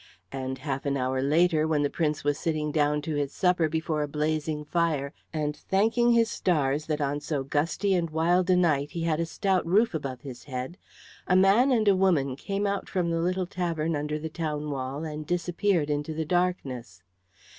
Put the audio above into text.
And half an hour later, when the Prince was sitting down to his supper before a blazing fire and thanking his stars that on so gusty and wild a night he had a stout roof above his head, a man and a woman came out from the little tavern under the town wall and disappeared into the darkness.